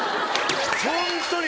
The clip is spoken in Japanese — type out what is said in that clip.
ホントに。